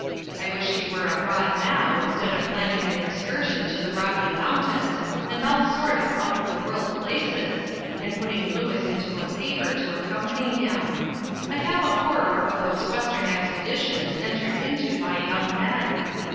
I wish he were abroad now, instead of planning an excursion to the Rocky Mountains and all sorts of out of the world places, and putting Louis into a fever to accompany him. I have a horror of those Western expeditions entered into by young men.